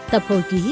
tập hồi ký